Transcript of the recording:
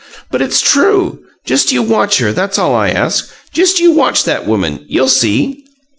But it's true! Just you watch her; that's all I ask. Just you watch that woman. You'll see!"